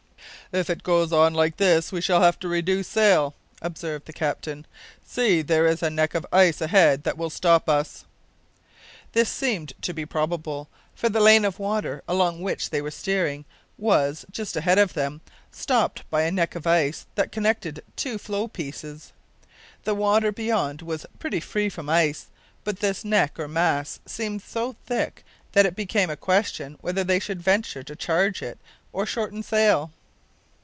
"If it goes on like this, we shall have to reduce sail," observed the captain. "See, there is a neck of ice ahead that will stop us." This seemed to be probable, for the lane of water along which they were steering was, just ahead of them, stopped by a neck of ice that connected two floe pieces. The water beyond was pretty free from ice, but this neck or mass seemed so thick that it became a question whether they should venture to charge it or shorten sail.